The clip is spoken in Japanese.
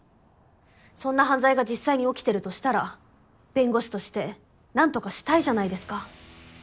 そんな犯罪が実際に起きてるとしたら弁護士として何とかしたいじゃないですか。